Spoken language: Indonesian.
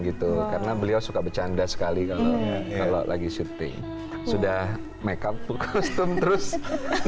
itu karena beliau suka bercanda sekali kalau kita kalau lagi syuting sudah make up riddum merusak